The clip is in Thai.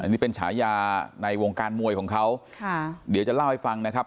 อันนี้เป็นฉายาในวงการมวยของเขาค่ะเดี๋ยวจะเล่าให้ฟังนะครับ